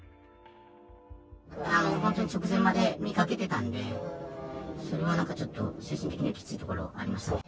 本当に直前まで見かけてたんで、それはなんかちょっと、精神的にはきついところありますね。